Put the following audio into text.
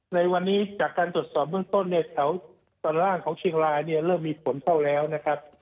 ในวันนี้จากการตรวจสอบเริ่มต้นเนื้อแถวตอนร่างของเชียงรายเริ่มมีผลเท่าแล้วนะครับ